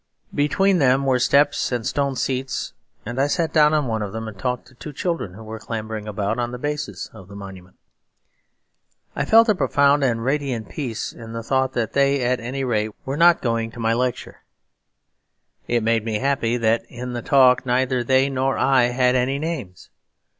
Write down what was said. Between them were steps and stone seats, and I sat down on one of them and talked to two children who were clambering about the bases of the monument. I felt a profound and radiant peace in the thought that they at any rate were not going to my lecture. It made me happy that in that talk neither they nor I had any names.